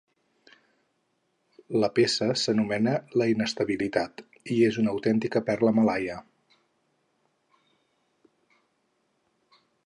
La peça s'anomena "La inestabilitat" i és una autèntica perla malaia.